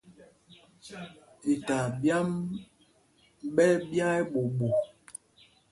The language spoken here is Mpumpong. Itaa ɓyǎm ɓɛ́ ɛ́ ɓya ɛɓuu ɓuu.